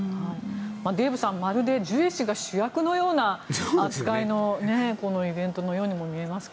デーブさん、まるでジュエ氏が主役のような扱いのようなイベントのようにも見えますが。